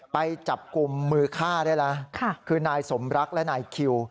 ไปจับกลุ่มมือฆ่าได้แล้วคือนายสมรักและนายคิว